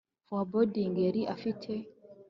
Forebodings yari afite